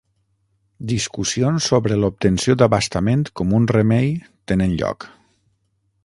Discussions sobre l'obtenció d'abastament com un remei tenen lloc.